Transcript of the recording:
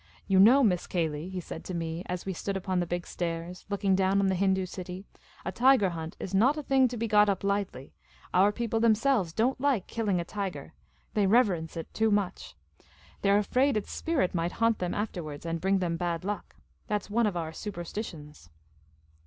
" You know. Miss Cayley," he said to me, as we stood upon the big stairs, looking down on the Hindoo city, " a tiger hunt is not a thing to be got up lightly. Our people themselves don't like killing a tiger. They reverence it too much. They 're 248 Miss Caylcy's Adventures afraid its spirit might haunt them afterwards and bring them bad luck. That 's one of our superstitions."